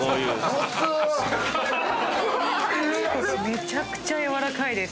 めちゃくちゃやわらかいです。